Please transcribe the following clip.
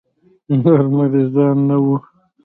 نور مريضان نه وو.